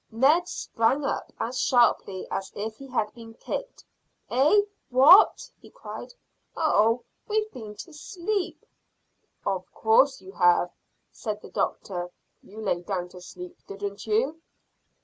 Ned sprang up as sharply as if he had been kicked. "Eh? What?" he cried. "Oh! We've been to sleep." "Of course you have," said the doctor. "You lay down to sleep, didn't you?"